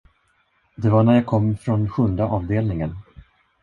Det var när jag kom från sjunde avdelningen.